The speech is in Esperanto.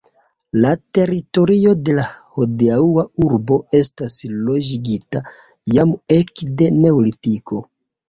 La teritorio de la hodiaŭa urbo estas loĝigita jam ekde neolitiko.